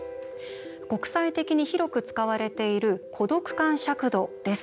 国際的に広く使われている孤独感尺度です。